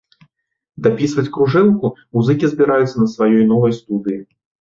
Дапісваць кружэлку музыкі збіраюцца на сваёй новай студыі.